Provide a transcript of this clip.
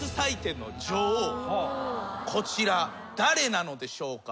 こちら誰なのでしょうか？